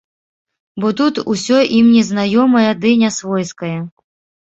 Бо тут усё ім незнаёмае ды нясвойскае.